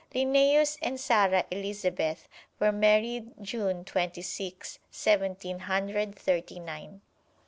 Linnæus and Sara Elizabeth were married June Twenty six, Seventeen Hundred Thirty nine.